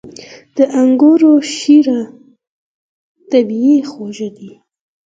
• د انګورو شیره طبیعي خوږه وي.